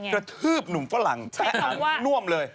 กระทืบหนุ่มฝรั่งแตะน่วมเลย